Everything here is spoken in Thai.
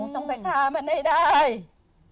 ต้องไปฆ่ามันให้ได้